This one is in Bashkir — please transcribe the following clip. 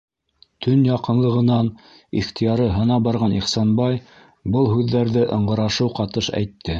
- Тән яҡынлығынан ихтыяры һына барған Ихсанбай был һүҙҙәрҙе ыңғырашыу ҡатыш әйтте.